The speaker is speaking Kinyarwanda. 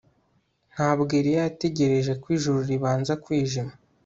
Ntabwo Eliya yategereje ko ijuru ribanza kwijima